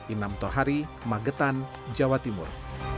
inam tohari magetan jawa timur